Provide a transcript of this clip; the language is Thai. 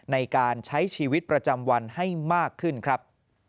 ในการใช้ชีวิตประจำวันให้มากขึ้นครับ